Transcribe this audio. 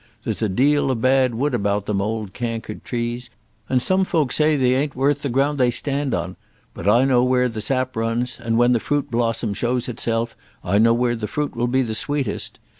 There's a deal of bad wood about them old cankered trees, and some folk say they ain't worth the ground they stand on; but I know where the sap runs, and when the fruit blossom shows itself I know where the fruit will be the sweetest.